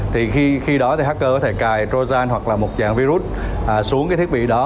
thì khi đó thì hacker có thể cài trojan hoặc là một dạng virus xuống cái thiết bị đó